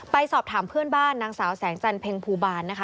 ไปสอบถามเพื่อนบ้านนางสาวแสงจันเพ็งภูบาลนะคะ